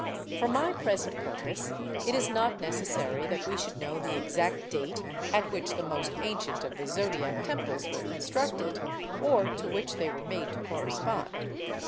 For my present purpose, it is not necessary that we should know the exact date at which the most ancient of the zodiac temples were constructed (or to which they were made to correspond).